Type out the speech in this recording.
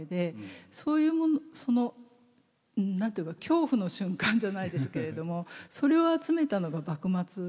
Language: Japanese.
そういうものその何て言うか恐怖の瞬間じゃないですけれどもそれを集めたのが「幕末」。